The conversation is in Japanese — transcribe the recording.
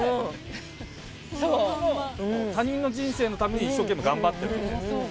他人の人生のために一生懸命頑張ってるって。